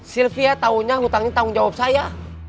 silvia taunya hutangnya tanggung jawab saya